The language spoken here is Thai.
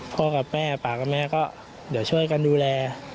กับแม่ป่ากับแม่ก็เดี๋ยวช่วยกันดูแล